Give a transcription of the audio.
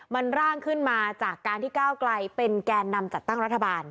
มันร่างขึ้นมาจากการที่ก้าวไกลเป็นแกนนำจัดตั้งรัฐบาล